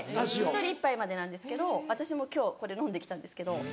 １人１杯までなんですけど私も今日これ飲んできたんですけど。